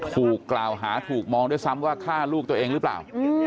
ถูกกล่าวหาถูกมองด้วยซ้ำว่าฆ่าลูกตัวเองหรือเปล่า